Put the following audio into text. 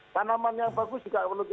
tanaman yang bagus juga harus diperhatikan